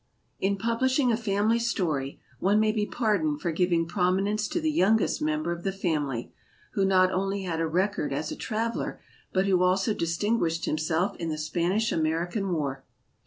In publishing a family story one may be pardoned for giving prominence to the youngest member of the family, who not only had a record as a traveler but who also distinguished himself in the Spanish American War.